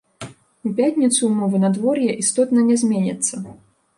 У пятніцу ўмовы надвор'я істотна не зменяцца.